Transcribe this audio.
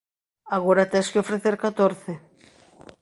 Agora tes que ofrecer catorce.